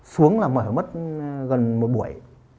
xuống là mở mất gần một buổi